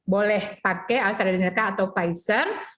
boleh pakai astrazeneca atau pfizer